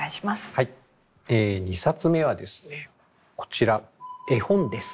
はい２冊目はですねこちら絵本です。